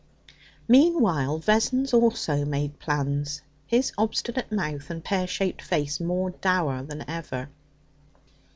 Meanwhile, Vessons also made plans, his obstinate mouth and pear shaped face more dour than ever.